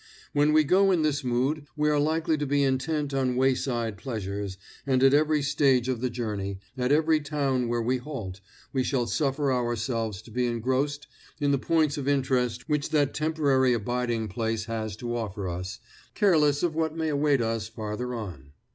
When we go in this mood we are likely to be intent on wayside pleasures, and at every stage of the journey, at every town where we halt, we shall suffer ourselves to be engrossed in the points of interest which that temporary abiding place has to offer us, careless of what may await us farther on.